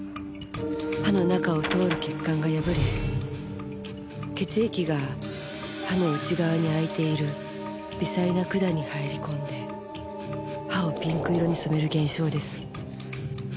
歯の中を通る血管が破れ血液が歯の内側に空いている微細な管に入り込んで歯をピンク色に染める現象です。